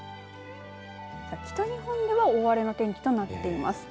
北日本では大荒れの天気となってます。